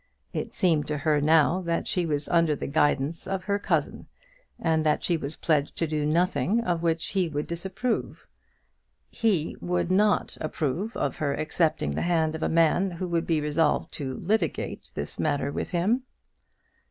It seemed to her now that she was under the guidance of her cousin, and that she was pledged to do nothing of which he would disapprove. He would not approve of her accepting the hand of a man who would be resolved to litigate this matter with him.